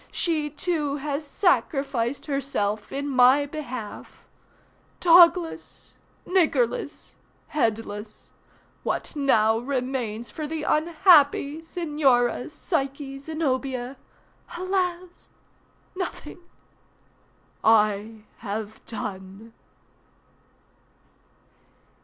she too has sacrificed herself in my behalf. Dogless, niggerless, headless, what now remains for the unhappy Signora Psyche Zenobia? Alas—nothing! I have done.